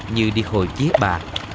như đi hội chế bà